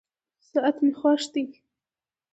ساعت مي خوښ دی.